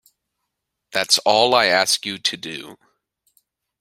That's all I ask you to do.